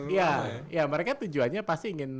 iya iya mereka tujuannya pasti ingin nge read